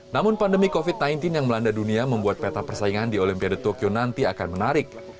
namun pandemi covid sembilan belas yang melanda dunia membuat peta persaingan di olimpiade tokyo nanti akan menarik